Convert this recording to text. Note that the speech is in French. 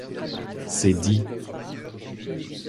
C'est dit.